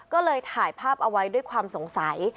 ก็เลยถ่ายภาพเอาไว้ด้วยความสงสัย